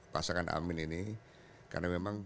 pasangan amin ini karena memang